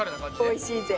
おいしいぜ！